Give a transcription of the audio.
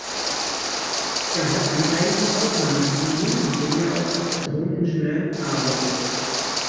Er hat ein eigenes Aufnahmestudio, in dem er auch als Toningenieur arbeitet.